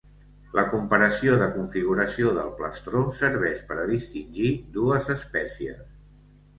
La comparació de configuració del plastró serveix per a distingir dues espècies.